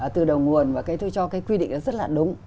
từ đầu nguồn và tôi cho cái quy định đó rất là đúng